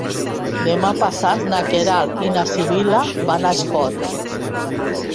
Demà passat na Queralt i na Sibil·la van a Espot.